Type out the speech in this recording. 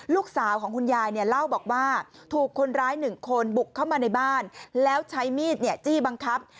ลูกสาวของคุณยายลาวบอกว่าถูกคนร้าย๑คนบุกเข้ามาในบ้านแล้วใช้มิดจี้บังคับ